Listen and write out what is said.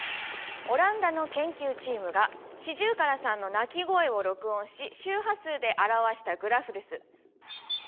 オランダの研究チームがシジュウカラさんの鳴き声を録音し周波数で表したグラフです。